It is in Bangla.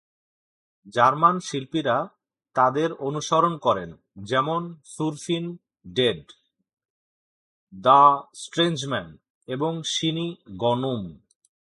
জার্মান শিল্পীরা তাদের অনুসরণ করেন, যেমন সুরফিন ডেড, দ্য স্ট্রেঞ্জম্যান এবং শিনি গনোম।